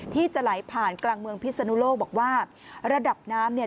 ที่จะไหลผ่านกลางเมืองพิศนุโลกบอกว่าระดับน้ำเนี่ย